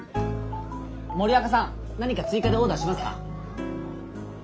森若さん何か追加でオーダーしますか？